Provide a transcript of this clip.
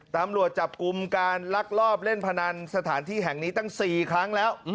ตำรวจจับกลุ่มการลักลอบเล่นพนันสถานที่แห่งนี้ตั้ง๔ครั้งแล้ว